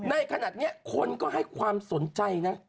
ในขณะนี้คนก็ให้ความสนใจนะ